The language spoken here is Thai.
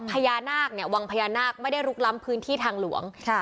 พญานาคเนี่ยวังพญานาคไม่ได้ลุกล้ำพื้นที่ทางหลวงค่ะ